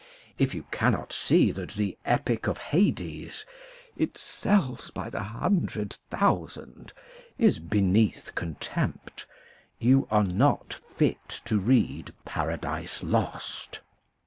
If you cannot see that the " Epic of Hades " (it sells by the hundred thousand) is beneath contempt, you are not fit to read " Paradise Lost."